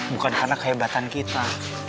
bukan karena kehebatan kita